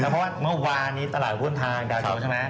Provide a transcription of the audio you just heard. เพราะว่าเมื่อวานนี้ตลาดหุ้นทางดาวเทียมใช่ไหม